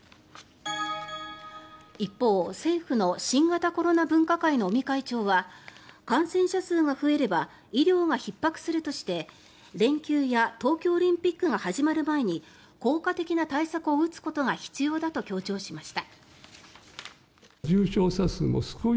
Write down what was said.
一方、政府の新型コロナ分科会の尾身会長は感染者数が増えれば医療がひっ迫するとして連休や東京オリンピックが始まる前に効果的な対策を打つことが必要だと強調しました。